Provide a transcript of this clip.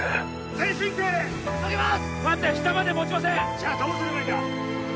じゃどうすればいいんだ！？